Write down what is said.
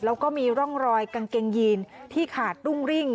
แล้วก็มีร่องรอยกางเกงยีนที่ขาดรุ่งริ่ง